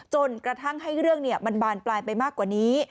จนกระทั่งให้เรื่องมันบานปลายไปมากกว่านี้